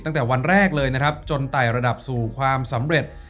ตั้งแต่วันแรกเลยนะครับจนไต่ระดับสู่ความสำเร็จ